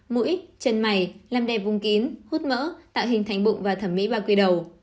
mũi chân mảy làm đẹp vung kín hút mỡ tạo hình thành bụng và thẩm mỹ ba quy đầu